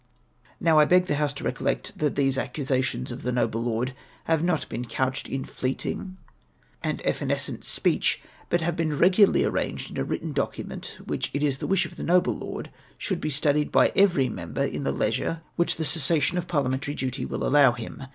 " Now, I beo; the House to recollect that these accusations of the noble lord have not been couched in fleeting and evanes * For a refutation of this see chap. vii. VOL. IL U 290 REMARKS TIIEREOX. cent speech, but have been regularly arranged in a written document, which it is the wish of the noble lord should be studied by every member in the leisure which the cessation of parliamentary duty will allow him.